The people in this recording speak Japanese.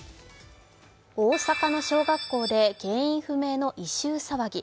大阪の小学校で原因不明の異臭騒ぎ。